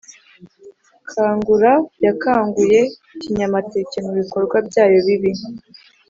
kangura yakanguye kinyamateka mubikorwa byayo bibi